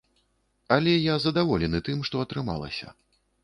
Але я задаволены тым, што атрымалася.